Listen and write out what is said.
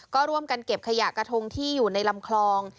ก็ร่วมกันเก็บขยะกระทงที่อยู่ในลำคลอง